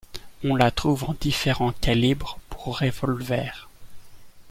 On la trouve en différents calibres pour revolvers.